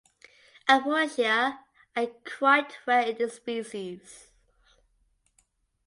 Apothecia are quite rare in this species.